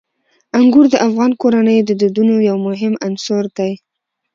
انګور د افغان کورنیو د دودونو یو مهم عنصر دی.